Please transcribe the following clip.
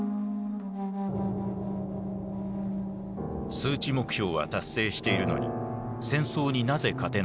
数値目標は達成しているのに戦争になぜ勝てないのか。